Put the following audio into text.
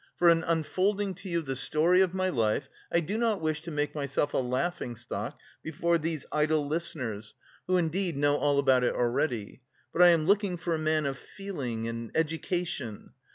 For in unfolding to you the story of my life, I do not wish to make myself a laughing stock before these idle listeners, who indeed know all about it already, but I am looking for a man of feeling and education.